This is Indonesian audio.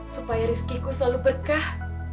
supaya rizkiku selalu berkah